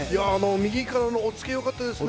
右からの押っつけ、よかったですね。